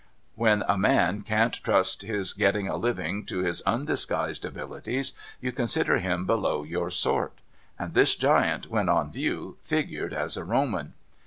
When a man can't trust his getting a living to his undisguised abilities, you consider him below your sort. And this giant when on view figured as a Roman.